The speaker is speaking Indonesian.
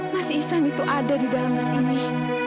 mas ihsan itu ada di dalam bus ini